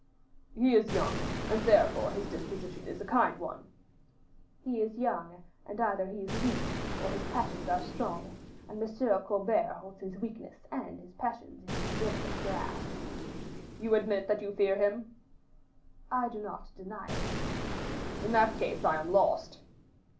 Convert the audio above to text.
"He is young, and therefore his disposition is a kind one." "He is young, and either he is weak, or his passions are strong; and Monsieur Colbert holds his weakness and his passions in his villainous grasp." "You admit that you fear him?" "I do not deny it." "I that case I am lost."